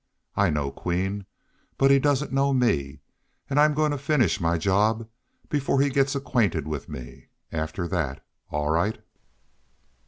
I know Queen. But he doesn't know me. An' I'm goin' to finish my job before he gets acquainted with me. After thet, all right!"